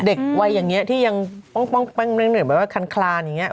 เด็กวัยอย่างเงี้ยที่ยังคันคลานอย่างเงี้ย